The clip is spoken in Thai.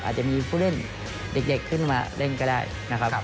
อาจจะมีผู้เล่นเด็กขึ้นมาเล่นก็ได้นะครับ